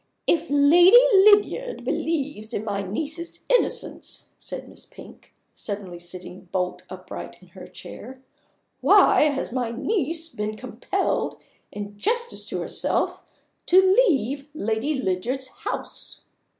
"If Lady Lydiard believes in my niece's innocence," said Miss Pink, suddenly sitting bolt upright in her chair, "why has my niece been compelled, in justice to herself, to leave Lady Lydiard's house?"